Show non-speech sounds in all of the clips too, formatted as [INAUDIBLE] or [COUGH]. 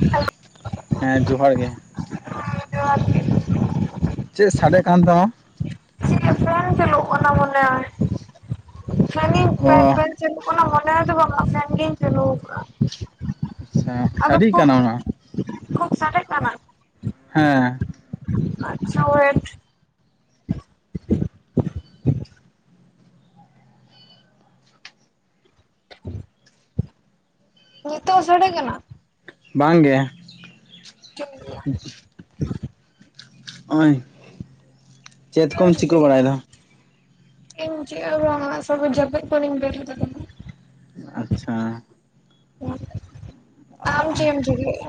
Hello [INAUDIBLE] ᱦᱮᱸ ᱡᱚᱦᱟᱨ ᱜᱮ ᱡᱚᱦᱟᱨ ᱜᱮ ᱪᱮᱫ ᱥᱟᱰᱮᱮᱜ ᱠᱟᱱ ᱛᱟᱢᱟ ᱯᱷᱮᱱ ᱪᱟᱞᱩᱜ ᱠᱟᱱᱟ ᱢᱚᱱᱮᱦᱚᱭ ᱥᱟᱜᱤᱧ ᱚ ᱯᱮ [INAUDIBLE] ᱪᱞᱩ ᱠᱟᱱᱟ ᱢᱚᱱᱮ ᱫᱚ ᱵᱟᱝᱢᱟ ᱯᱷᱱ ᱜᱤᱧ ᱪᱞᱩ ᱟᱠᱟᱫ [INAUDIBLE] ᱟᱪᱪᱷᱟ ᱥᱟᱟᱹᱨᱤᱜ ᱠᱟᱱᱟ ᱚᱱᱟ ᱦᱚᱸ ᱠᱷᱩᱵ ᱥᱟᱴᱮᱜ ᱠᱟᱱᱟ [INAUDIBLE] ᱦᱮᱸ ᱟᱪᱪᱷᱟ [INAUDIBLE] ᱦᱮᱸ [INAUDIBLE] ᱱᱤᱛᱚᱜ ᱦᱚ ᱥᱟᱰᱮ ᱠᱟᱱᱟ ᱵᱟᱝ ᱜᱮ ᱡᱚᱠᱷᱚᱱ [INAUDIBLE] ᱦ [INAUDIBLE] ᱱᱚᱜᱼᱚᱭ ᱠᱚᱢ ᱪᱮᱫ ᱪᱤᱠᱟᱹ ᱮᱢ ᱵᱟᱲᱟᱭᱮᱫᱟ ᱪᱮᱠᱟᱭᱟ ᱮᱫᱟ ᱤᱧ ᱪᱮᱠᱟ ᱜᱮ ᱵᱟᱝ ᱱᱤᱛᱚᱜ ᱯᱟᱯᱤᱜ ᱠᱷᱚᱱ ᱵᱮᱨᱮᱫᱚᱜ ᱠᱟᱱᱟ ᱟᱪᱪᱷᱟ ᱟᱢ ᱪᱮᱫ ᱮᱢ ᱪᱮᱠᱟᱭᱟ ᱮᱫᱟ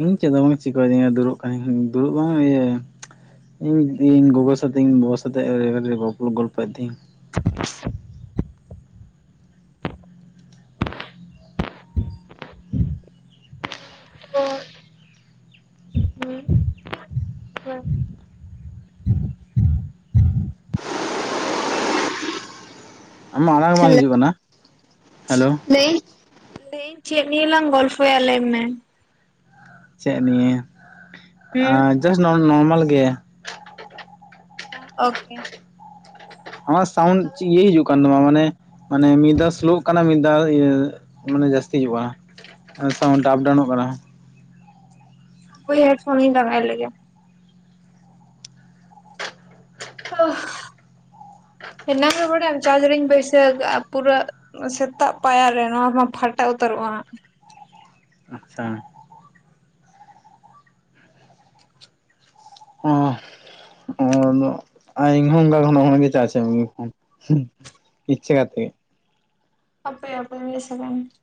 ᱤᱧ ᱪᱮᱫ ᱫᱚ ᱵᱟᱝ ᱪᱤᱠᱟᱹᱫᱤᱧᱟ ᱫᱩᱲᱩᱵ ᱫᱩᱲᱩᱵ ᱵᱟᱝ ᱤᱭᱟᱹ ᱤᱧ ᱤᱧ ᱜᱚᱜᱚ ᱥᱟᱛᱮᱜ ᱤᱧ ᱵᱟᱵᱟ ᱥᱟᱛᱮᱜ ᱜᱚᱞᱚ ᱜᱚᱞᱯᱚ ᱮᱮᱫ ᱛᱤᱧ ᱦᱮᱞᱳ ᱟᱢ ᱢᱟᱜ ᱟᱲᱟᱝ ᱵᱟᱝ ᱦᱤᱡᱩᱜ ᱠᱟᱱᱟ ᱦᱮᱞᱳ ᱞᱟᱹᱭᱤᱧ ᱪᱮᱫᱱᱤᱞᱟᱟᱝ ᱜᱚᱞᱯᱷᱚᱭᱟ ᱞᱟᱹᱭ ᱢᱮ ᱪᱮᱫ ᱱᱤᱭᱟᱹ ᱦᱩᱸ ᱡᱟᱥ ᱱᱚᱨᱢᱟᱞ ᱜᱮ ᱳᱠᱮ ᱟᱢᱟᱜ ᱥᱟᱣᱩᱱᱰ ᱤᱭᱟᱹ ᱦᱤᱡᱩᱜ ᱠᱟᱱ ᱛᱟᱢᱟ ᱢᱟᱱᱮ ᱢᱟᱱᱮ ᱢᱤᱫ ᱫᱷᱟᱣ ᱥᱞᱳᱜ ᱠᱟᱱᱟ ᱢᱤᱫ ᱫᱷᱟᱣ ᱤᱭᱟᱹ ᱢᱟᱱᱮ ᱡᱟᱹᱥᱛᱤ ᱦᱼᱟ ᱥᱟᱣᱩᱱᱰᱴ ᱟᱯᱰᱟᱣᱩᱱᱚᱜ ᱠᱟᱱᱟ ᱳ [INAUDIBLE] ᱦᱮᱰᱯᱷᱳᱱᱤᱧ ᱞᱟᱜᱟᱭ ᱞᱮᱭᱟ ᱮᱱᱟᱝ ᱨᱮ ᱵᱟᱲᱟᱭᱟᱢ ᱪᱟᱨᱡ ᱨᱤᱧ ᱵᱟᱹᱭᱥᱟᱹ ᱯᱩᱨᱟᱹ ᱥᱮᱛᱟᱜ ᱯᱟᱭᱟᱨᱨᱮ ᱱᱚᱣᱟ ᱢᱟ ᱯᱷᱟᱴᱟ ᱩᱛᱟᱹᱨᱚᱜᱼᱟ ᱟᱪᱪᱷᱟ ᱚᱸ ᱟᱨ [INAUDIBLE] ᱚᱢ ᱜᱮ ᱪᱟᱪ ᱤᱪᱪᱠᱟ ᱛᱮ [INAUDIBLE] ᱟᱯᱮ ᱟᱯᱮ ᱢᱮ ᱥᱟᱱ [INAUDIBLE]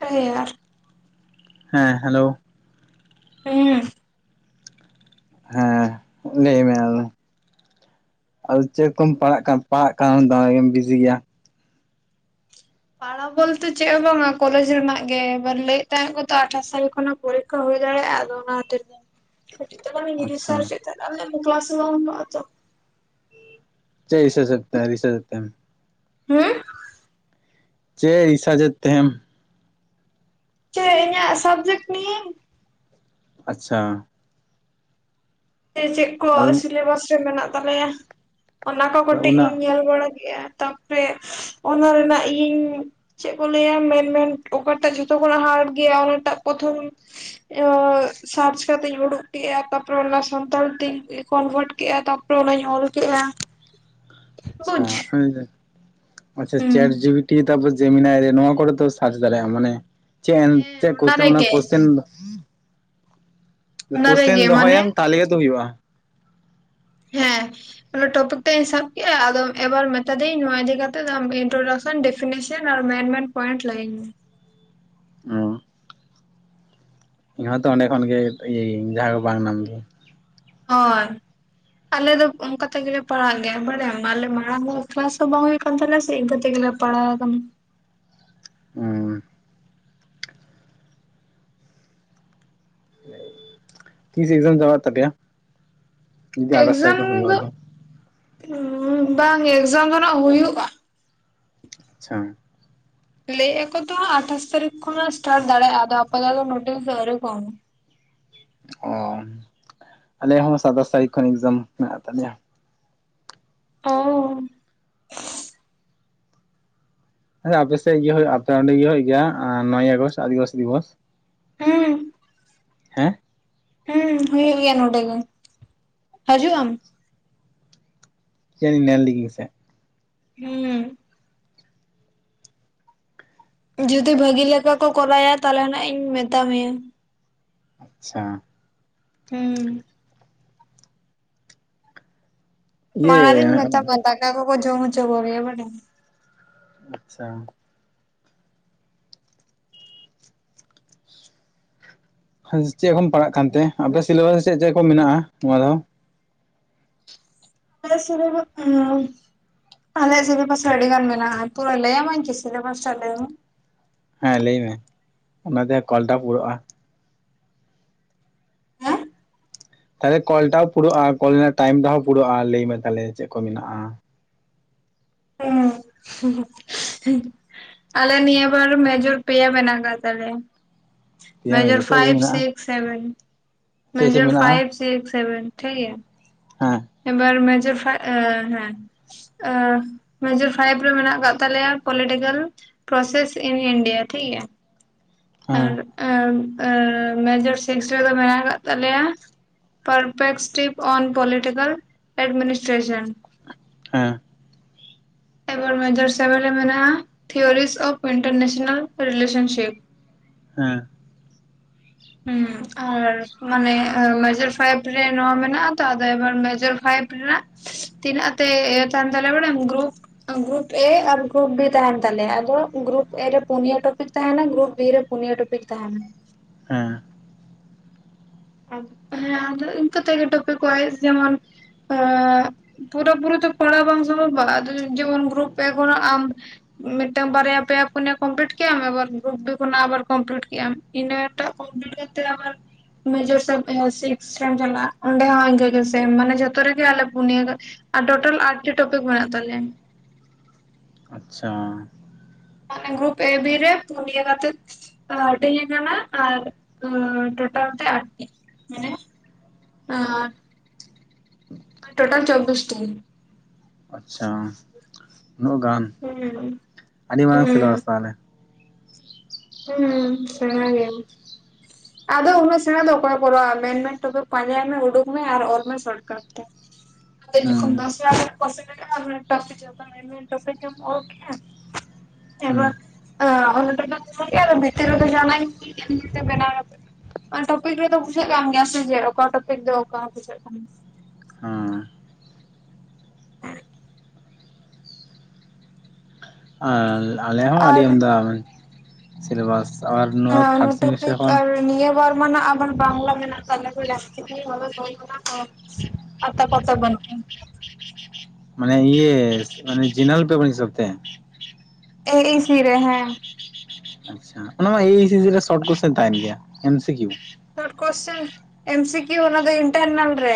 ᱛᱭᱟᱨ [INAUDIBLE] ᱦᱮᱸ ᱦᱮᱞᱳ ᱦᱮᱸ ᱦᱮᱸ ᱞᱟᱹᱭ ᱢᱮ ᱟᱫᱚ ᱟᱫᱚ ᱪᱮᱫ ᱠᱚᱢ ᱯᱟᱲᱟᱜ ᱯᱟᱲᱦᱟᱜ ᱠᱷᱟᱱ ᱫᱚᱢᱮᱜᱮᱢ ᱵᱤᱡᱤ ᱜᱮᱭᱟ ᱯᱟᱲᱦᱟᱣ ᱵᱚᱞᱛᱮ ᱪᱮᱫ ᱦᱚᱸ ᱵᱟᱝ-ᱟ ᱠᱚᱞᱮᱡᱽ ᱨᱮᱱᱟᱜ ᱜᱮ ᱮᱵᱟᱨ ᱞᱟᱹᱭᱮᱫ ᱛᱟᱦᱮᱸᱫ ᱠᱚ ᱛᱚ ᱟᱴᱷᱟᱥ ᱥᱟᱞ ᱠᱷᱚᱱᱟᱜ ᱯᱚᱨᱤᱠᱷᱟ ᱦᱳᱭ ᱫᱟᱲᱮᱭᱟᱜ-ᱟ ᱟᱫᱚ ᱚᱱᱟ ᱦᱟᱛᱤᱨ ᱟᱪᱪᱷᱟ ᱛᱮ [INAUDIBLE] ᱪᱮᱜ ᱨᱤᱡᱟᱡᱮᱜ ᱛᱮᱢ ᱨᱤᱡᱟᱡᱮᱜ ᱛᱮᱢ ᱦᱮᱸ ᱪᱮᱜ ᱨᱤᱥᱟᱡᱮᱫ ᱛᱮᱢ ᱪᱟᱭ ᱨᱮᱱᱟᱜ ᱥᱵᱽᱡᱮᱠᱴ ᱱᱤᱭᱟᱹ ᱟᱪᱪᱷᱟ ᱥᱮ ᱪᱮᱫ ᱠᱚ ᱟᱫᱚ ᱥᱤᱞᱮᱵᱟᱥ ᱨᱮ ᱢᱮᱱᱟᱜ ᱛᱟᱞᱮᱭᱟ ᱚᱱᱟ ᱠᱚ ᱠᱟᱹᱴᱤᱡ ᱚᱱᱟ ᱤᱧ ᱧᱮᱞ ᱵᱟᱲᱟ ᱠᱮᱜᱼᱟ ᱛᱟᱯᱚᱨᱮ ᱚᱱᱟ ᱨᱮᱱᱟᱜ ᱤᱧ ᱪᱮᱫ ᱠᱚ ᱞᱟᱹᱭᱟ ᱢᱮᱱᱢᱮᱱ ᱚᱠᱟᱴᱟᱜ ᱡᱷᱚᱛᱚ ᱠᱷᱚᱱᱟᱜ ᱦᱟᱨᱴ ᱜᱮᱭᱟ ᱚᱱᱟᱴᱟᱜ ᱯᱨᱚᱛᱷᱚᱢ ᱟ ᱪᱟᱨᱡ ᱠᱟᱛᱮ ᱩᱰᱩᱠ ᱠᱮᱫᱟ ᱛᱟᱯᱚᱨᱮ ᱚᱱᱟ [INAUDIBLE] ᱥᱟᱱᱛᱟᱲ ᱛᱮᱧ ᱠᱚᱱᱵᱷᱟᱴ ᱠᱮᱜᱼᱟ ᱛᱟᱯᱚᱨᱮ ᱚᱱᱟᱧ ᱚᱞ ᱠᱮᱜᱼᱟ ᱵᱩᱡᱽ ᱟᱪᱪᱷᱟ, ᱟᱪᱪᱷᱟ ᱦᱩᱸ ᱪᱮᱴ ᱡᱤᱯᱤᱴᱤ ᱛᱟ ᱯᱚ ᱡᱮᱢᱤᱱᱟᱭ ᱨᱮ ᱱᱚᱣᱟ ᱠᱚᱨᱮ ᱛᱚ ᱥᱟᱨᱪ ᱫᱟᱲᱮᱭᱟᱜᱼᱟ ᱢᱟᱱᱮ ᱪᱮᱫ ᱦᱮᱸ ᱪᱮᱫ ᱠᱚᱥᱪᱮᱱ ᱚᱱᱟ ᱨᱮᱜᱮ ᱠᱚᱥᱪᱮᱱ ᱚᱱᱟ ᱠᱳᱥᱪᱟᱵ ᱨᱮᱜᱮ ᱢᱟᱱᱮ ᱫᱚᱦᱚᱭᱟᱢ ᱛᱟᱦᱚᱞᱮ ᱜᱮ ᱛᱚ ᱦᱩᱭᱩᱜᱼᱟ ᱦᱮᱸ ᱚᱱᱟ ᱴᱚᱯᱤᱠ ᱴᱟᱜ ᱤᱧ ᱥᱟᱵ ᱠᱮᱜ-ᱟ, ᱟᱫᱚ ᱮᱵᱟᱨ ᱢᱮᱛᱟ ᱫᱤᱭᱟᱹᱧ ᱱᱚᱣᱟ ᱤᱫᱤ ᱠᱟᱛᱮᱫ ᱟᱢ ᱤᱱᱴᱨᱳᱰᱟᱠ ᱰᱤᱯᱷᱤᱱᱮᱥᱚᱱ ᱟᱨ ᱢᱮᱱ ᱢᱮᱱ ᱯᱚᱭᱮᱱᱴ ᱞᱟᱹᱭ ᱤᱧ ᱢᱮ ᱚ ᱤᱧ ᱦᱚᱸᱛᱚ ᱚᱸᱰᱮ ᱠᱷᱚᱱ ᱜᱮ ᱤᱭᱟᱹᱭᱤᱧ ᱡᱟᱦᱟᱸ ᱠᱚ ᱵᱟᱝ ᱧᱟᱢ ᱫᱤᱧ ᱚᱨ ᱟᱞᱮ ᱫᱚ ᱚᱱᱠᱟ ᱛᱮ ᱜᱮᱞᱮ ᱯᱟᱲᱟᱜ ᱜᱮᱭᱟ ᱵᱟᱲᱟᱭᱟᱢ ᱟᱞᱮ ᱢᱟᱲᱟᱝ [INAUDIBLE] ᱠᱞᱟᱥ ᱦᱚᱵᱟᱝ ᱦᱳᱭ ᱠᱟᱱ ᱛᱟᱞᱮᱭᱟᱥᱮ ᱤᱱᱠᱟ ᱛᱮᱜᱮ ᱞᱮ ᱯᱟᱲᱟᱣ ᱠᱟᱱ ᱚ ᱛᱤᱥ ᱮᱠᱡᱟᱢ ᱪᱟᱵᱟᱜ ᱛᱟᱯᱮᱭᱟ ᱡᱩᱫᱤ ᱟᱴᱷᱟᱥ ᱛᱟᱹᱨᱤᱠᱷ ᱮᱠᱡᱟᱢ ᱠᱷᱚᱱ ᱦᱩᱭᱩᱜᱼᱟ ᱫᱚ, ᱟᱫᱚ ᱵᱟᱝ ᱮᱠᱡᱟᱢ ᱫᱚ ᱱᱟᱜ ᱦᱩᱭᱩᱜᱼᱟ ᱟᱪᱪᱷᱟ ᱞᱟᱹᱭ ᱟᱠᱚ ᱛᱚ ᱟᱴᱷᱟᱥ ᱛᱟᱹᱨᱤᱠᱷ ᱠᱷᱚᱱᱟᱜ ᱥᱴᱟᱴ ᱫᱟᱲᱮᱭᱟᱜᱼᱟ ᱟᱫᱚ ᱟᱯᱟᱫᱟ ᱫᱚ ᱱᱳᱴᱤᱥ ᱟᱣᱨᱤ ᱠᱚ ᱮᱢᱟ ᱚ ᱟᱞᱮᱭᱟᱜ ᱦᱚᱸ ᱥᱟᱛᱟᱥ ᱛᱟᱨᱤᱠᱷ ᱠᱷᱚᱱ ᱮᱠᱡᱟᱢ ᱢᱮᱱᱟᱜ ᱛᱟᱞᱮᱭᱟ ᱚ [UNINTELLIGIBLE] ᱟᱯᱮ ᱥᱮᱫ ᱤᱭᱟᱹ ᱦᱳᱭᱳᱜ ᱟᱛᱚ ᱚᱸᱰᱮ ᱤᱭᱟᱹ ᱦᱳᱭᱳᱜ ᱜᱮᱭᱟ ᱟᱨ ᱱᱚᱭᱮ ᱟᱜᱚᱥᱴ ᱟᱹᱫᱤᱵᱟᱥᱤ ᱫᱤᱵᱚᱥ ᱦᱩᱸ ᱦᱮᱸ ᱦᱩᱸ ᱦᱩᱭᱩᱜ ᱜᱮᱭᱟ ᱱᱚᱰᱮ ᱜᱮ ᱦᱤᱡᱩᱜ ᱟᱢ [INAUDIBLE] ᱱᱮᱞ ᱜᱤᱜᱤᱧ ᱥᱮ ᱦᱩᱸ ᱡᱩᱫᱤ ᱵᱷᱟᱹᱜᱤ ᱞᱮᱠᱟ ᱠᱚ ᱠᱚᱨᱟᱭᱟ ᱛᱟᱦᱚᱞᱮ ᱱᱟᱜ ᱤᱧ ᱢᱮᱛᱟ ᱢᱮᱭᱟ ᱟᱪᱪᱷᱟ ᱦᱩᱸ ᱤᱭᱟᱹ ᱢᱟᱲᱟᱝ ᱨᱤᱧ ᱢᱮᱛᱟ ᱠᱚᱣᱟ ᱫᱟᱠᱟ ᱠᱚᱠᱚ ᱡᱚᱢ ᱦᱚᱪᱚ ᱠᱚᱜᱮᱭᱟ ᱵᱟᱰᱟᱭᱟᱢ ᱟᱪᱪᱷᱟ ᱪᱮᱫ ᱠᱚᱢ ᱯᱟᱲᱟᱜ ᱠᱟᱱᱛᱮ ᱟᱯᱮᱭᱟᱜ ᱥᱤᱞᱮᱵᱟᱥ ᱪᱮᱫ ᱪᱮᱫ ᱠᱚ ᱢᱮᱱᱟᱜᱼᱟ ᱱᱚᱣᱟ ᱫᱷᱟᱣ [UNINTELLIGIBLE] ᱟᱞᱮ ᱥᱤᱞᱮᱵᱟᱥ ᱨᱮ ᱟᱹᱰᱤ ᱜᱟᱱ ᱢᱮᱱᱟᱜ-ᱟ, ᱛᱩᱨᱟᱹ ᱞᱟᱹᱭ ᱟᱢᱤᱧ ᱠᱤ ᱥᱤᱞᱮᱵᱟᱥ ᱴᱟᱜ ᱰᱮᱢᱳ ᱦᱮᱸ ᱞᱟᱹᱭ ᱢᱮ ᱚᱱᱟᱛᱮ ᱠᱚᱞᱴᱟ ᱯᱩᱨᱟᱹᱜᱼᱟ ᱦᱮᱸ ᱛᱟᱦᱚᱞᱮ ᱠᱚᱞ ᱴᱟᱜ ᱦᱚᱸ ᱯᱩᱨᱟᱹᱜᱼᱟ ᱠᱚᱞ ᱨᱮᱱᱟᱜ ᱴᱟᱭᱤᱢ ᱦᱚᱸ ᱯᱩᱨᱟᱹᱜᱼᱟ ᱞᱟᱹᱭ ᱢᱮ ᱛᱟᱦᱞᱮ ᱪᱮᱫ ᱪᱮᱫ ᱠᱚ ᱢᱮᱱᱟᱜᱼᱟ ᱦᱩᱸ [UNINTELLIGIBLE] ᱟᱞᱮ ᱱᱤᱭᱟᱹ ᱵᱟᱨ ᱢᱮᱡᱚᱨ ᱯᱮᱭᱟ ᱢᱮᱱᱟᱜ ᱠᱟᱜ ᱛᱟᱞᱮᱭᱟ ᱯᱮᱭᱟ ᱢᱮᱡᱟ ᱢᱮᱡᱚᱨ ᱪᱮᱫ ᱪᱮᱫ ᱯᱷᱟᱭᱤᱵ ᱢᱮᱱᱟᱜᱼᱟ ᱥᱤᱠᱥ ᱥᱮᱵᱷᱮᱱ ᱪᱮᱫ ᱪᱮᱫ ᱢᱮᱡᱚᱡ ᱢᱮᱱᱟᱜᱼᱟ ᱯᱷᱟᱭᱤᱵ ᱥᱤᱠᱥ ᱥᱮᱵᱮᱱ ᱴᱷᱤᱠ ᱜᱮᱭᱟ ᱦᱮᱸ ᱮᱵᱟᱨ ᱢᱮᱡ ᱦᱮᱸ [INAUDIBLE] ᱢᱮᱡᱮᱨ ᱯᱷᱟᱭᱤᱵ ᱨᱮ ᱢᱮᱱᱟᱜ ᱟᱠᱟᱫ ᱛᱟᱞᱮᱭᱟ ᱯᱚᱞᱤᱴᱤᱠᱮᱞ ᱯᱨᱳᱥᱮᱥ ᱤᱱ ᱤᱱᱰᱤᱭᱟ ᱴᱷᱤᱠ ᱜᱮᱭᱟ ᱦᱮᱸ ᱟᱨ ᱮ ᱟᱨ ᱢᱮᱡᱚᱨ ᱥᱤᱠᱥ ᱨᱮᱫᱚ ᱢᱮᱱᱟᱜ ᱠᱟᱜ ᱛᱟᱞᱮᱭᱟ ᱯᱟᱨᱯᱮᱥᱴᱤᱠ ᱚᱱ ᱯᱳᱞᱤᱴᱤᱠᱮᱞ ᱪᱮᱯᱥ ᱢᱤᱱᱤᱥ ᱴᱤᱥᱮᱱ ᱦᱮᱸ ᱮᱵᱟᱨ ᱢᱮᱡᱚᱨ ᱥᱮᱵᱷᱮᱱ ᱨᱮ ᱢᱮᱱᱟᱜ ᱟ ᱛᱷᱤᱭᱚᱨᱤ ᱚᱯ ᱮᱱᱴᱟᱨᱱᱮᱥᱱᱟᱞ ᱨᱤᱞᱮᱥᱚᱱᱥᱤᱯ ᱦᱮᱸ ᱦᱚ ᱟᱨ ᱢᱟᱱᱮ ᱢᱮᱡᱚᱨ ᱯᱷᱟᱭᱤᱵ ᱨᱮ ᱱᱚᱣᱟ ᱢᱮᱱᱟᱜ ᱟ ᱛᱚ ᱟᱫᱚ ᱮᱵᱟᱨ ᱢᱮᱡᱚᱨ ᱯᱷᱟᱭᱤᱵ ᱨᱮᱱᱟᱜ ᱛᱤᱱᱟᱹᱜ ᱟᱛᱮᱜ ᱛᱟᱦᱮᱱ ᱛᱟᱞᱮᱭᱟ ᱵᱟᱰᱟᱭᱢ ᱜᱨᱩᱯ ᱜᱨᱩᱯ ᱮ ᱟᱨ ᱜᱨᱩᱯ ᱵᱤ ᱛᱟᱦᱮᱱ ᱛᱟᱞᱮᱭᱟ ᱟᱫᱚ ᱜᱨᱩᱯ ᱮ ᱨᱮ ᱯᱳᱱᱭᱟ ᱴᱚᱯᱤᱠ ᱛᱟᱦᱮᱱᱟ ᱜᱨᱩᱯ ᱵᱤ ᱨᱮ ᱯᱳᱱᱭᱟ ᱴᱩᱯᱤᱠ ᱛᱟᱦᱮᱱᱟ ᱦᱮᱸ ᱦᱮᱸ ᱟᱫᱚ ᱤᱱᱠᱟᱹ ᱛᱮᱜᱮ ᱴᱚᱯᱮᱠ ᱠᱚᱨᱟᱣ ᱦᱳᱭᱳᱜ ᱛᱤᱧᱟ ᱡᱮᱢᱚᱱ ᱟᱻ ᱯᱩᱨᱟᱹ ᱯᱩᱨᱤ ᱛᱚ ᱯᱟᱲᱦᱟᱣ ᱵᱟᱝ ᱥᱚᱢᱵᱷᱚᱵᱼᱟ ᱟᱫᱚ ᱡᱮᱢᱚᱱ ᱜᱨᱩᱯ ᱮᱠᱷᱚᱱᱟᱜ ᱟᱢ ᱢᱤᱫᱴᱟᱝ ᱵᱟᱨᱭᱟ ᱯᱮᱭᱟ ᱯᱩᱱᱭᱟ ᱠᱚᱢᱯᱞᱤᱴ ᱠᱮᱫᱮᱜ-ᱟᱢ ᱟᱵᱟᱨ ᱜᱨᱩᱯ ᱵᱤ ᱠᱷᱚᱱᱟᱜ ᱟᱵᱟᱨ ᱠᱚᱢᱯᱞᱤᱴ ᱠᱮᱫᱮᱜ-ᱟᱢ ᱤᱱᱟᱹ ᱴᱟᱜ ᱠᱚᱢᱯᱞᱤᱴ ᱠᱟᱛᱮ ᱟᱵᱟᱨ ᱢᱮᱡᱡᱚᱨ ᱥᱮ ᱟᱸ ᱥᱤᱠᱥ ᱨᱮᱢ ᱪᱟᱞᱟᱜ-ᱟ ᱚᱸᱰᱮ ᱦᱚᱸ ᱤᱝᱠᱟᱹ ᱜᱮ ᱥᱮᱢ ᱢᱟᱱᱮ ᱡᱚᱛᱚ ᱨᱮ ᱜᱮᱤ ᱟᱞᱮ ᱯᱩᱱᱭᱟ ᱠᱟᱛᱮ ᱟᱨ ᱴᱳᱴᱟᱞ ᱟᱴ ᱴᱤ ᱴᱚᱯᱤᱠ ᱢᱮᱱᱟᱜ ᱛᱟᱞᱮᱭᱟ ᱟᱪᱪᱷᱟ ᱜᱨᱩᱯ ᱮ ᱵᱤ ᱨᱮ ᱯᱩᱱᱤᱭᱟ ᱠᱟᱛᱮ ᱦᱟᱹᱴᱤᱧ ᱟᱠᱟᱱᱟ ᱟᱨ ᱴᱚᱴᱟ ᱛᱮ ᱟᱴᱴᱤ ᱢᱟᱱᱮ ᱦᱸᱟᱨ [UNINTELLIGIBLE] ᱴᱳᱴᱟᱞ ᱪᱚᱵᱽᱵᱤᱥ ᱴᱤ ᱟᱪᱪᱷᱟ ᱱᱩᱱᱟᱹᱜ ᱜᱟᱱ ᱦᱩᱸ ᱟᱹᱰᱤ ᱢᱟᱨᱟᱝ ᱦᱩᱸ ᱥᱮᱞᱮᱵᱟᱥ ᱛᱟᱦᱚᱞᱮ ᱦᱩᱸ ᱥᱮᱲᱟ ᱜᱮᱭᱟ ᱟᱫᱚ ᱩᱱᱟᱹᱜ ᱥᱮᱬᱟ ᱫᱚ ᱚᱠᱚᱭᱮ ᱠᱚᱨᱟᱣ-ᱟ ᱢᱮᱱᱼᱢᱮᱱ ᱴᱚᱯᱷᱤᱠ ᱯᱟᱸᱡᱟᱭ ᱢᱮ ᱩᱰᱩᱠ ᱢᱮ ᱟᱨ ᱚᱞ ᱢᱮ ᱥᱚᱴ ᱠᱟᱜ ᱟ ᱡᱠᱷ ᱦᱩᱸ ᱫᱥ ᱯᱚ [INAUDIBLE] ᱢᱤᱜ ᱴᱟᱝ ᱴᱚᱯᱤᱠ ᱮᱢ ᱚᱞ ᱠᱮᱜ-ᱟ ᱦᱩᱸ ᱮᱵᱟᱨ ᱚᱱᱟ ᱴᱚᱯᱤᱠ ᱚᱞ ᱠᱮᱜ-ᱟ ᱟᱫᱚ ᱵᱷᱤᱛᱤᱨ ᱨᱮ ᱫᱚ ᱡᱟᱸᱦᱟᱱᱟᱜ ᱤᱧ [INAUDIBLE] ᱵᱮᱱᱟᱣ ᱠᱟᱛᱮ ᱴᱚᱯᱤᱠ ᱨᱮᱫᱚ ᱵᱩᱡᱷᱟᱹᱜ ᱠᱟᱱ ᱜᱮᱭᱟ ᱥᱮ ᱡᱮ ᱚᱠᱟ ᱴᱚᱯᱤᱠ ᱫᱚ ᱚᱠᱟ ᱵᱩᱡᱷᱟᱹᱜ ᱠᱟᱱ ᱦᱩᱸ ᱟᱨ ᱟᱞᱮ ᱦᱚᱸ ᱟᱹᱰᱤ ᱟᱨ ᱟᱢᱫᱟ ᱥᱤᱞᱮᱵᱟᱥ ᱟᱨ ᱱᱚᱣᱟ ᱦᱟᱸ ᱱᱚ ᱛᱷᱟᱨᱰ ᱥᱮᱢᱤᱥᱴᱟᱨ ᱴᱚᱯᱤᱠ ᱠᱷᱚᱱ ᱟᱨ ᱱᱤᱭᱚᱢ ᱵᱚᱨ ᱢᱟᱱ ᱟᱵᱟᱨ ᱵᱟᱝᱞᱟ ᱢᱮᱱᱟᱜ ᱛᱟᱞᱮ ᱵᱩᱡᱷᱟᱴ [UNINTELLIGIBLE] ᱟ ᱛᱟ ᱯᱚᱨ ᱛᱚ ᱵᱟᱱᱩᱜ ᱠᱤᱱᱟ ᱢᱟᱱᱮ ᱤᱭᱮ ᱡᱮᱱᱟᱨᱮᱞ ᱯᱮᱯᱤᱨ ᱦᱤᱥᱟᱵ ᱛᱮ ᱮᱭ ᱤᱥᱤ ᱨᱮ ᱦᱮᱸ ᱟᱪᱪᱷᱟ ᱚᱱᱟ ᱢᱟ ᱮᱭ ᱮᱭ ᱥᱤᱥᱤ ᱨᱮ ᱥᱚᱨᱴ ᱠᱚᱥᱪᱮᱱ ᱨᱮ ᱛᱟᱦᱮᱱ ᱜᱮᱭᱟ M C Q short question MCQ ᱚᱱᱟ ᱫᱚ ᱤᱱᱴᱟᱨ ᱱᱟᱞ ᱨᱮ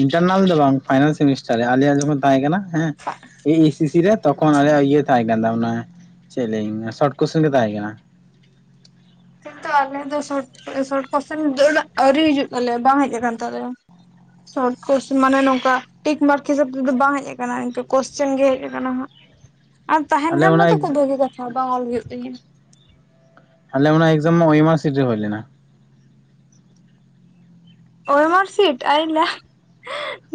ᱤᱱᱴᱟᱨᱱᱟᱞ ᱫᱚ ᱵᱟᱝ ᱯᱷᱟᱭᱱᱟᱨᱞ ᱥᱮᱢᱤᱥᱴᱟᱨ ᱨᱮ ᱟᱞᱮᱭᱟᱜ ᱡᱚᱠᱷᱚᱱ ᱛᱟᱦᱮᱸ ᱠᱟᱱᱟ ᱦᱮᱸ ᱤᱧ ᱮᱥ ᱥᱤ ᱨᱮ ᱛᱚᱠᱷᱚᱱ ᱟᱞᱮ ᱤᱭᱟᱹ ᱛᱟᱦᱮᱸ ᱠᱟᱱ ᱛᱟᱵᱚᱱᱟ ᱪᱮᱫ ᱞᱮᱧ ᱥᱚᱨᱴ ᱠᱚᱥᱪᱮᱱ ᱜᱮ ᱛᱟᱦᱮᱸ ᱠᱟᱱᱟ ᱠᱤᱱᱛᱩ ᱟᱞᱮ ᱫᱚ ᱥᱚᱴ ᱥᱚᱴ ᱠᱳᱥᱥᱮᱱ ᱟᱣᱨᱤ ᱦᱤᱡᱩᱜ ᱛᱟᱞᱮᱭᱟ ᱵᱟᱝ ᱦᱮᱡ ᱟᱠᱟᱱ ᱛᱟᱞᱮᱭᱼᱟ ᱥᱚᱨᱴ ᱠᱚᱥᱪᱮᱱ ᱢᱟᱱᱮ ᱱᱚᱝᱠᱟ ᱴᱤᱠ ᱢᱟᱨᱠ ᱦᱤᱥᱟᱹᱵ ᱛᱮᱫᱚ ᱵᱟᱝ ᱦᱮᱡ ᱟᱠᱟᱱᱟ ᱱᱤᱝᱠᱹ ᱠᱚᱥᱪᱮᱱ ᱜᱮ ᱦᱮᱡ ᱟᱠᱟᱱᱟ ᱦᱟᱜ ᱟᱨ ᱛᱟᱦᱮᱱ ᱟᱞᱮ ᱠᱷᱟᱱ ᱚᱱᱟ ᱢᱟᱛᱚ ᱠᱷᱩᱵ ᱵᱷᱟᱹᱜᱤ ᱠᱟᱛᱷᱟ ᱵᱟᱝ ᱚᱞ ᱦᱩᱭᱩᱜ ᱛᱤᱧᱟᱹ ᱟᱞᱮ ᱚᱱᱟ ᱮᱠᱡᱟᱢ ᱩᱭᱤᱵᱟᱨ ᱥᱤᱴ ᱨᱮ ᱦᱩᱭ ᱞᱮᱱᱼᱟ ᱳᱭᱮᱢᱟᱨᱥᱤᱴ ᱟᱭᱩ ᱱᱟ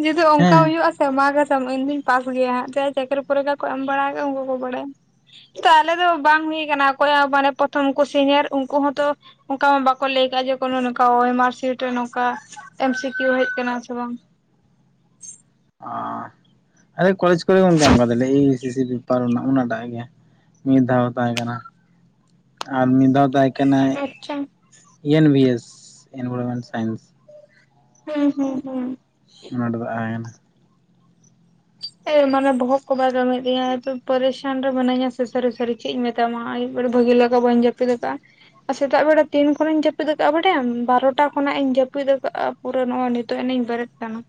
ᱡᱩᱫᱤ ᱚᱱᱠᱟ ᱦᱮᱸ ᱦᱩᱭᱩᱜᱼᱟ ᱢᱟ ᱠᱟᱥᱟᱢ ᱤᱧ ᱫᱩᱧ ᱯᱟᱥ ᱜᱮᱭᱟ ᱦᱟᱸᱜ ᱡᱟᱭ ᱪᱟᱹᱠᱨᱤ ᱯᱚᱨᱤᱠᱷᱟ ᱠᱚ ᱮᱢ ᱵᱟᱲᱟ ᱩᱱᱠᱩ ᱠᱚ ᱵᱟᱲᱟᱭᱼᱟ ᱛᱚ ᱟᱞᱮ ᱫᱚ ᱵᱟᱝ ᱦᱩᱭ ᱠᱟᱱᱟ ᱚᱠᱚᱭᱟᱜ ᱢᱟᱱᱮ ᱯᱨᱚᱛᱷᱚᱢ ᱠᱚ ᱥᱤᱱᱤᱭᱟᱨ ᱩᱱᱠᱩ ᱦᱚᱸ ᱛᱚ ᱚᱝᱠᱟ ᱢᱟ ᱵᱟᱠᱚ ᱞᱟᱹᱭ ᱟᱠᱟᱜᱼᱟ, ᱡᱮ ᱠᱚᱱᱚ ᱱᱚᱝᱠᱟ ᱳᱭᱮᱢᱟᱨ ᱥᱤᱴ ᱨᱮ ᱱᱚᱝᱠᱟ ᱮᱢ ᱥᱤ ᱠᱤᱭᱩ ᱦᱮᱡ ᱠᱟᱱᱟ ᱥᱮ ᱵᱟᱝ? ᱚᱻ ᱟᱞᱮ ᱠᱚᱞᱮᱡᱽ ᱠᱚᱨᱮ ᱜᱚᱢᱠᱮ ᱮᱢ ᱠᱟᱫᱟᱞᱮ ᱮ ᱥᱤ ᱥᱤ ᱯᱮᱯᱟᱨ ᱚᱱᱟ ᱩᱱᱟᱴᱟᱜ ᱜᱮ ᱾ ᱢᱤᱫ ᱫᱷᱟᱣ ᱛᱟᱦᱮᱸ ᱠᱟᱱᱟ ᱟᱨ ᱢᱤᱫ ᱫᱷᱟᱣ ᱛᱟᱦᱮᱸ ᱠᱮᱱᱮᱭ ᱟᱪᱪᱷᱟ E N V S environment science. ᱦᱩᱸ ᱦᱩᱸ ᱦᱩᱸ ᱾ ᱱᱚᱸᱰᱮ ᱫᱚ ᱟᱭᱮᱱ ᱾ [UNINTELLIGIBLE] ᱮ ᱢᱟᱱᱮ ᱵᱚᱦᱚᱜ ᱠᱚ ᱵᱟᱭ ᱠᱟᱹᱢᱤᱭᱮᱜ ᱛᱤᱧᱟ ᱮ ᱛᱚ ᱯᱟᱨᱤᱥᱟᱱ ᱨᱮ ᱢᱟᱱᱟᱧᱟ ᱥᱮ ᱥᱟᱹᱨᱤ ᱥᱟᱹᱨᱤ ᱾ ᱪᱮᱫ ᱤᱧ ᱢᱮᱛᱟᱢᱟ ᱟᱭᱩᱵ ᱵᱮᱨᱟ ᱵᱷᱟᱹᱜᱤ ᱞᱮᱠᱟ ᱵᱟᱹᱧ ᱡᱟᱹᱯᱤᱫ ᱟᱠᱟᱜᱼᱟ ᱾ [UNINTELLIGIBLE] ᱥᱮᱛᱟᱜ ᱵᱮᱲᱟ ᱛᱤᱱ ᱠᱷᱚᱱᱤᱧ ᱡᱟᱹᱯᱤᱫ ᱟᱠᱟᱜᱼᱟ, ᱵᱟᱰᱟᱭᱟᱢ ᱵᱟᱨᱚᱴᱟ ᱠᱷᱚᱱᱟᱜ ᱤᱧ ᱡᱟᱹᱯᱤᱫ ᱟᱠᱟᱫᱼᱟ ᱾ ᱯᱩᱨᱟᱹ ᱱᱚᱜᱼᱚᱭ ᱱᱤᱛᱚᱜ ᱮᱱᱤᱧ ᱵᱮᱨᱮᱫ ᱠᱟᱱᱟ,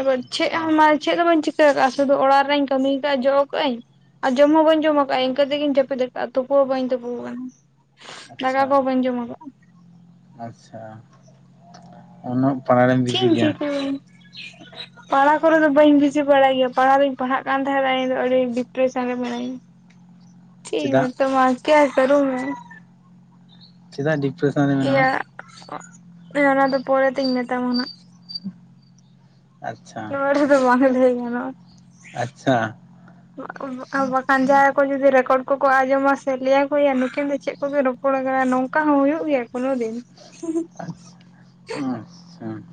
ᱮᱵᱟᱨ ᱪᱮᱜ ᱟᱪᱪᱷᱟ ᱦᱚᱸ ᱪᱮ ᱦᱚᱸ ᱵᱟᱹᱧ ᱪᱤᱠᱟᱹᱼᱼ ᱠᱟᱹ ᱠᱟᱜᱼᱟ ᱥᱩᱫᱩ ᱚᱲᱟᱜ ᱨᱮᱱᱟᱜ ᱤᱧ ᱠᱟᱹᱢᱤ ᱠᱟᱟᱜᱼᱟ ᱡᱚᱜ ᱠᱟᱜᱽᱟᱹᱧ ᱟᱨ ᱡᱚᱢ ᱦᱚᱸ ᱵᱟᱹᱧ ᱡᱚᱢ ᱠᱟᱜᱼᱟ ᱤᱱᱠᱟᱹ ᱛᱮᱜᱮᱧ ᱡᱟᱹᱯᱤᱫ ᱟᱠᱟᱟᱜᱼᱟ ᱛᱩᱯᱩ ᱦᱚᱸ ᱵᱟᱹᱧ ᱛᱩᱯᱩ ᱣᱟᱠᱟᱱᱟ ᱫᱟᱠᱟ ᱟᱪᱪᱷᱟ ᱠᱚ ᱵᱟᱹᱧ ᱡᱚᱢᱼᱟ ᱠᱟᱜᱼᱟ ᱟᱪᱪᱷᱟ ᱩᱱᱟᱹᱜ, ᱯᱟᱲᱦᱟᱣ ᱨᱮᱢ ᱵᱤᱡᱤ ᱪᱮᱧ ᱜᱮᱭᱟ ᱪᱤᱠᱟᱹᱭ ᱾ ᱯᱟᱲᱦᱟᱣ ᱠᱚᱨᱮ ᱫᱚ ᱵᱟᱹᱧ ᱵᱤᱡᱤ ᱵᱟᱲᱟᱭ ᱜᱮᱭᱟ ᱯᱟᱲᱦᱟᱣ ᱫᱚᱧ ᱯᱟᱲᱦᱟᱜ ᱠᱟᱱ ᱛᱟᱦᱮᱸᱱᱟ ᱤᱧ ᱫᱚ ᱟᱹᱰᱤ ᱰᱤᱯᱨᱮᱥᱮᱱ ᱨᱮ ᱢᱤᱱᱟᱹᱧᱟ ᱾ ᱪᱮᱜ ᱤᱧ ᱪᱮᱫᱟᱜ ᱢᱮᱴᱟᱢᱟ ᱠᱮᱭᱟ ᱠᱟᱨᱩ ᱢᱮ ᱾ ᱪᱮᱫᱟᱜ ᱰᱤᱯᱨᱮᱥᱚᱱ ᱨᱮ ᱢᱮᱱᱟᱜᱼᱟ? ᱤᱭᱟᱹ ᱚᱱᱟ ᱫᱚ ᱯᱚᱨᱮ ᱛᱮᱧ ᱢᱮᱛᱟᱢᱟ ᱱᱟᱜ ᱾ ᱟᱪᱪᱷᱟ ᱱᱚᱰᱮ ᱫᱚ ᱵᱟᱝ ᱞᱟᱹᱭ ᱜᱟᱱᱟᱜᱼᱟ ᱾ ᱟᱪᱪᱷᱟ, [INAUDIBLE] ᱵᱟᱠᱷᱟᱱ ᱡᱟᱦᱟᱸᱭ ᱠᱚ ᱡᱩᱫᱤ ᱨᱮᱠᱚᱨᱰ ᱠᱚᱠᱚ ᱟᱸᱡᱚᱢᱟ ᱥᱮ ᱞᱟᱹᱭᱟ ᱠᱩᱭᱟ ᱱᱩᱠᱤᱱ ᱫᱚ ᱪᱮᱫ ᱠᱚᱵᱤᱱ ᱨᱚᱯ ᱠᱚᱲᱟ ᱠᱟᱱᱟᱭ ᱱᱚᱝᱠᱟ ᱦᱚᱸ ᱦᱩᱭᱩᱜ ᱜᱮᱭᱟ ᱠᱚᱱᱚ ᱫᱤᱱ ᱾ ᱟᱪᱪᱷᱟ ᱦᱚᱸ ᱦᱚᱸ ᱾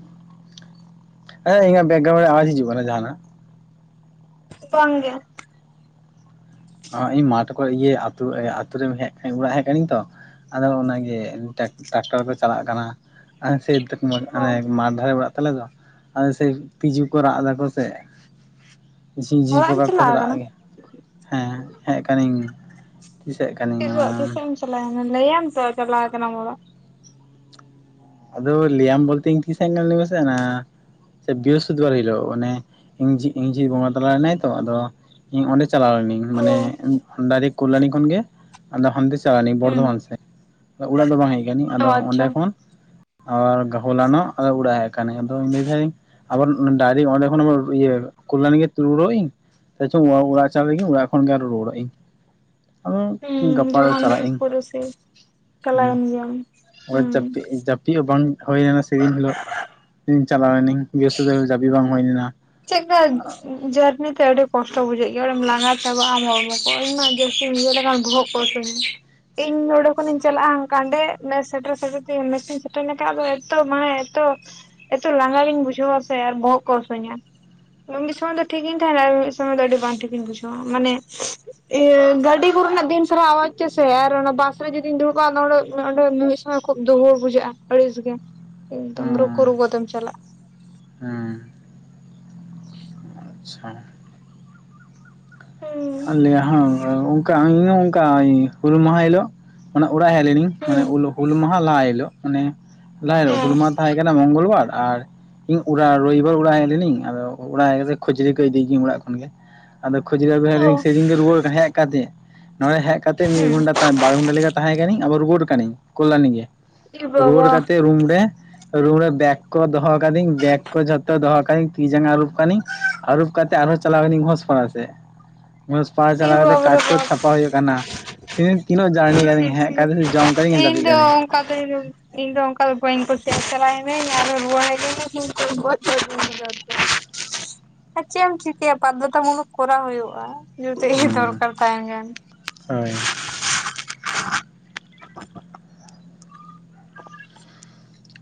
ᱦᱮᱸ ᱤᱧᱟᱹᱜ ᱵᱮᱠᱜᱨᱟᱣᱩᱱ ᱨᱮ ᱟᱣᱟᱪ ᱦᱤᱡᱩᱜ ᱠᱟᱱᱟ ᱡᱟᱦᱟᱱᱟᱜ᱾ ᱵᱟᱝ ᱜᱮ᱾ ᱤᱧ ᱢᱟ ᱴᱮᱠᱚ ᱤᱭᱟᱹ ᱟᱛᱩ, ᱟᱛᱩ ᱨᱮ ᱦᱮᱜ ᱚᱲᱟᱜ ᱦᱮᱜ ᱟᱠᱟᱱᱟᱧ ᱛᱚᱼᱼ ᱟᱫᱚ ᱚᱱᱟᱜᱮ ᱴᱟᱠ, ᱴᱟᱠᱴᱟᱨ ᱠᱚ ᱪᱟᱞᱟᱜ ᱠᱟᱱᱟ ᱥᱮᱼᱼ ᱢᱟᱱᱮ ᱚ ᱢᱟᱴ ᱫᱷᱟᱨᱮ ᱚᱲᱟᱜ ᱛᱟᱞᱮ ᱫᱚ, ᱟᱞᱮ ᱥᱮ ᱛᱤᱡᱩ ᱠᱚ ᱨᱟᱜ ᱮᱫᱟ ᱠᱚ ᱥᱮᱼᱼ ᱡᱷᱤ ᱡᱷᱤ ᱚᱲᱟᱜ ᱮᱢ ᱵᱟᱠᱚ ᱪᱟᱞᱟᱣ ᱪᱟᱞᱟᱜ ᱟᱠᱟᱱᱟ ᱜᱮ ᱦᱮᱸ ᱦᱮᱜ ᱠᱟᱱᱟᱹᱧ ᱛᱤᱥᱟᱹᱜ ᱠᱟᱱ? [UNINTELLIGIBLE] ᱛᱤᱥᱚᱜ ᱛᱤᱥᱮᱢ ᱪᱟᱞᱟᱣᱮᱱᱟ, ᱞᱟᱹᱭᱟᱢ ᱛᱚ ᱪᱟᱞᱟᱣ ᱟᱠᱟᱱᱟ ᱚᱲᱟᱜ? ᱟᱫᱚ ᱞᱤᱭᱟᱢ ᱵᱚᱞᱛᱮ ᱤᱧ ᱛᱤᱥ ᱦᱮᱡ ᱞᱤᱧ ᱞᱟᱭ ᱢᱮ ᱥᱮ ᱦᱟᱸᱼᱼ ᱥᱮ ᱵᱤᱨᱚᱥᱯᱚᱛᱤ ᱵᱟᱨ ᱦᱤᱞᱳᱜ ᱚᱱᱮ ᱤᱧ ᱡᱷᱤ ᱤᱧ ᱡᱷᱤ ᱵᱚᱸᱜᱟ ᱛᱟᱞᱟ ᱮᱱᱟᱭ ᱛᱚ ᱟᱫᱚ? ᱤᱧ ᱚᱸᱰᱮ ᱪᱟᱞᱟᱣ ᱞᱮᱱᱟᱹᱧ ᱢᱟᱱᱮ ᱚ ᱰᱟᱭᱨᱮᱠ ᱠᱚᱞᱟᱱᱤ ᱠᱷᱚᱱ ᱜᱮᱼᱼ ᱟᱫᱚ ᱦᱟᱱᱛᱮ ᱪᱟᱞᱟᱣ ᱱᱤᱧ ᱦᱩᱸ ᱵᱚᱨᱫᱷᱚᱢᱟᱱ ᱥᱮᱜ ᱚᱲᱟᱜ ᱫᱚ ᱵᱟᱝ ᱦᱮᱜ ᱠᱟᱱᱟᱧ ᱟᱫᱚ ᱚ ᱚᱸᱰᱮ ᱟᱪᱪᱷᱟ ᱠᱷᱚᱱᱼᱼ ᱟ ᱦᱚᱞᱟᱱᱚᱜ ᱟᱫᱚ ᱚᱲᱟᱜ ᱟᱠᱟᱱᱤᱧ ᱟᱫᱚ ᱢᱤᱫᱷᱟᱹᱤᱧᱼᱼ ᱟᱵᱟᱨ ᱰᱟᱭᱨᱮ ᱚᱸᱰᱮ ᱠᱷᱚᱱ ᱤᱭᱟᱹ ᱠᱚᱞᱟᱱᱤ ᱜᱮ ᱛᱤᱜᱩ ᱨᱩᱣᱟᱲᱚᱜ ᱤᱧ? ᱛᱟᱪᱪᱷᱟ ᱚᱲᱟᱜ ᱪᱟᱞᱟᱜ ᱞᱤᱜᱤᱧ ᱚᱲᱟᱜ ᱠᱷᱚᱱ ᱜᱮ ᱨᱚᱣᱟᱲᱚᱜ ᱟᱧ ᱾ ᱦᱚ [UNINTELLIGIBLE] ᱦᱩᱸ ᱜᱟᱯᱟ ᱡᱚᱠᱷᱚᱱ ᱪᱟᱞᱟᱜ ᱤᱸᱧ ᱤᱥᱠᱩᱞ ᱨᱮᱥᱮ ᱪᱟᱞᱟᱣᱮᱱ ᱜᱮᱭᱟᱢ ᱦᱩᱸ ᱡᱟᱹᱼᱼ ᱡᱟᱹᱯᱤᱜ ᱦᱚᱸ ᱵᱟᱝ ᱦᱚᱭ ᱞᱮᱱᱟ, ᱥᱮᱫᱤᱱ ᱦᱤᱞᱚᱜ ᱪᱟᱞᱟᱣ ᱞᱮᱱᱟᱹᱧ ᱜᱮᱥ [UNINTELLIGIBLE] ᱦᱚᱸ ᱡᱟᱯᱤᱜ ᱵᱟᱝ ᱦᱩᱭ ᱞᱮᱱᱟ᱾ [INAUDIBLE] ᱪᱮᱜ ᱠᱟᱡ? ᱡᱟᱹᱨᱱᱤ ᱛᱮ ᱟᱹᱰᱤ ᱠᱚᱥᱴᱚ ᱵᱩᱡᱷᱟᱹᱜ ᱜᱮᱭᱟ ᱵᱟᱲᱟᱭᱟᱢ, ᱞᱟᱸᱜᱟ ᱪᱟᱵᱟᱜ ᱟᱢ ᱦᱚᱲᱢᱚ ᱠᱚ ᱤᱧ ᱢᱟ ᱡᱟᱥᱛᱤᱧ ᱩᱭᱦᱟᱹᱨ ᱞᱮᱠᱷᱟᱱ ᱵᱚᱦᱚᱜᱼᱼ [UNINTELLIGIBLE] ᱤᱧ ᱱᱚᱸᱰᱮ ᱠᱷᱚᱱᱤᱧ ᱪᱟᱞᱟᱜᱼᱟ ᱠᱟᱸᱰᱮ, ᱱᱮᱜ ᱥᱮᱴᱮᱨ, ᱥᱮᱴᱮᱨ ᱛᱮ ᱢᱮᱥ ᱤᱧ ᱥᱮᱴᱮᱨ ᱞᱮᱱ ᱠᱷᱟᱡ ᱟᱫᱚ ᱮᱛᱚ ᱢᱟᱱᱮ ᱮᱛᱚᱼᱼ ᱮᱛᱚ ᱞᱟᱸᱜᱟ ᱜᱤᱧ ᱵᱩᱡᱷᱟᱹᱣᱟ ᱥᱮ ᱟᱨ ᱵᱚᱦᱚᱜ ᱠᱚ ᱦᱟᱹᱥᱩᱧᱟ᱾ ᱢᱤᱫ ᱥᱚᱢᱚᱭ ᱫᱚ ᱴᱷᱤᱠ ᱜᱤᱧ ᱛᱟᱦᱮᱸᱱᱟ ᱟᱨ ᱢᱤᱫ ᱥᱚᱢᱚᱭ ᱫᱚ ᱟᱹᱰᱤ ᱵᱟᱝ ᱴᱷᱤᱠ ᱤᱧ ᱵᱩᱡᱷᱟᱹᱣᱟ ᱢᱟᱱᱮᱼᱼ ᱤᱭᱟᱹ ᱜᱟᱹᱰᱤ ᱠᱚᱨᱮᱱᱟᱜ ᱫᱤᱱ [UNINTELLIGIBLE] ᱪᱮ ᱥᱮ ᱟᱨ ᱚᱱᱟ ᱵᱟᱥ ᱨᱮ ᱡᱩᱫᱤᱧ ᱫᱩᱲᱩᱵᱟ, ᱟᱫᱚ ᱚᱸᱰᱮ, ᱢᱮ ᱚᱸᱰᱮ ᱢᱤᱥ ᱟᱨ ᱠᱷᱩᱵ ᱫᱩᱦᱩᱲ ᱵᱩᱡᱷᱟᱹᱜᱼᱟ, ᱟᱹᱲᱤᱥᱜᱮ ᱮᱠᱫᱚᱢ ᱦᱩᱸ ᱨᱩᱠᱩ ᱨᱩᱠᱩ ᱛᱮᱹᱢ ᱪᱟᱞᱟᱜ ᱦᱩᱸ ᱟᱪᱪᱷᱟ ᱦᱩᱸ ᱟᱞᱮᱭᱟᱜ ᱦᱚᱸ ᱚᱝᱟ ᱚᱝᱠᱟ ᱤᱧᱦᱚᱸ ᱚᱝᱠᱟ ᱦᱩᱞ ᱢᱟᱦᱟ ᱦᱤᱞᱳᱜ ᱚᱱᱟ ᱩᱲᱟᱜ ᱦᱮᱡ ᱞᱤᱱᱤᱧ ᱢᱟᱱᱮ ᱦᱩᱸ ᱦᱩᱞ ᱢᱟᱦᱟ ᱞᱟᱦᱟ ᱦᱤᱞᱳᱜ ᱢᱟᱱᱮ ᱞᱟᱦᱟ ᱦᱤᱞᱳᱜ ᱦᱩᱞ ᱦᱮᱸ ᱢᱟᱦᱟ ᱛᱟᱦᱮᱸ ᱠᱟᱱᱟ ᱢᱚᱝᱜᱚᱞ ᱵᱟᱨ ᱟᱨ ᱤᱧ ᱩᱲᱟᱜ ᱨᱚᱵᱤᱵᱟᱨ ᱩᱲᱟᱜ ᱦᱮᱡ ᱞᱤᱱᱤᱧ ᱟᱫᱚ ᱚᱲᱟᱜ ᱦᱮᱡ ᱠᱟᱛᱮ ᱠᱷᱳᱡᱳᱨᱤ ᱠᱚ ᱤᱫᱤᱭ ᱜᱤᱭᱟᱹᱧ ᱩᱲᱟᱜ ᱠᱷᱚᱱ ᱜᱮ ᱟᱫᱚ ᱠᱷᱩᱡᱩᱨᱤ ᱟᱜᱩ ᱦᱮᱜ ᱞᱤᱱᱤ ᱚ ᱥᱮᱫᱤᱱ ᱜᱮ ᱨᱩᱣᱟᱹᱲ ᱦᱮᱜ ᱠᱟᱛᱮ ᱱᱚᱰᱮ ᱦᱮᱡᱠᱟᱛᱮ ᱢᱤᱫ ᱜᱷᱚᱱᱴᱟ ᱵᱟᱨ ᱜᱷᱚᱱᱴᱟ ᱞᱮᱠᱟ ᱛᱟᱦᱮᱸ ᱠᱟᱱᱤᱧ ᱟᱵᱟᱨ ᱨᱩᱣᱟᱹᱲ ᱠᱟᱱᱤᱧ ᱠᱚᱞᱟᱱᱤ ᱜᱮ ᱮ ᱵᱟᱵᱟ ᱨᱩᱣᱟᱹᱲ ᱠᱟᱛᱮᱜ ᱨᱩᱢ ᱨᱮ ᱨᱩᱢ ᱨᱮ ᱵᱮᱜᱽ ᱠᱚ ᱫᱚᱦᱚ ᱠᱟᱹᱫᱤᱧ ᱵᱮᱜᱽ ᱠᱚ ᱡᱷᱚᱛᱚ ᱫᱚᱦᱚ ᱠᱟᱫᱤᱧ ᱛᱤ ᱡᱟᱸᱜᱟ ᱟᱹᱨᱩᱵ ᱠᱟᱱᱤᱧ ᱟᱹᱨᱩᱵ ᱠᱟᱛᱮᱫ ᱟᱨᱦᱚ ᱪᱟᱞᱟᱣ ᱱᱤᱧ ᱦᱚᱥᱯᱟᱲᱟ ᱟᱛ ᱦᱟᱥᱟ ᱯᱟᱦᱟ ᱮ ᱪᱟᱞᱟ ᱠᱟᱛᱮ ᱵᱟᱯ ᱠᱟᱴ ᱨᱮ ᱠᱚ ᱵᱟᱯ ᱪᱷᱟᱯᱟ ᱦᱩᱭᱩᱜ ᱠᱟᱱᱟ ᱛᱤᱱᱟᱹᱜ, ᱛᱤᱱᱟᱹᱜ ᱡᱟᱨᱱᱤ ᱪᱷᱤ ᱠᱟᱹᱫᱤᱧ ᱪᱷᱤ ᱦᱮᱡ ᱠᱟᱛᱮ ᱡᱚᱢ ᱪᱷᱤ ᱠᱟᱹᱫᱤᱧ ᱤᱧ ᱡᱟᱹᱯᱤᱫ ᱠᱟᱹᱫᱟᱹᱧ᱾ [INAUDIBLE] ᱤᱧ ᱫᱚ ᱚᱝᱠᱟ ᱫᱚ ᱵᱟᱹᱧ ᱠᱩᱥᱤᱭᱟᱜ-ᱟ, ᱪᱟ [INAUDIBLE] ᱟᱨ ᱪᱮᱜ ᱮᱢ ᱪᱤᱠᱟᱹᱭᱟ ᱵᱟᱫᱽᱫᱷᱚᱛᱟ ᱢᱩᱞᱚᱠ ᱠᱚᱨᱟᱣ ᱦᱩᱭᱩᱜᱼᱟ ᱡᱩᱫᱤ ᱦᱩᱸ ᱫᱚᱨᱠᱟᱨ ᱛᱟᱦᱮᱱ ᱠᱷᱟᱱ ᱦᱳᱭ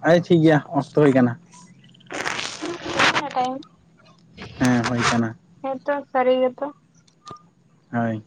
ᱟᱪᱪᱷᱟ ᱴᱷᱤᱠ ᱜᱤᱭᱟ ᱚᱠᱛᱚ ᱦᱩᱭ ᱠᱟᱱᱟ। ᱛᱤᱱᱟᱹᱜ ᱴᱟᱭᱤᱢ? ᱦᱮᱸ ᱦᱩᱭᱳᱭ ᱠᱟᱱᱟ ᱦᱮᱸᱛᱚ ᱥᱟᱹᱨᱤ ᱜᱮ ᱛᱚ! ᱦᱳᱭ